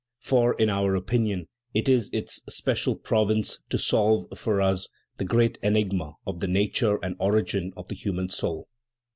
For, in our opinion, it is its special province to solve for us the great enigma of the nature and origin of the human soul.